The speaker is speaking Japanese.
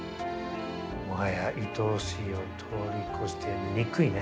もはやいとおしいを通り越して憎いね。